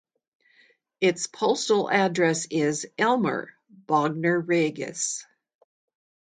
Its postal address is "Elmer, Bognor Regis".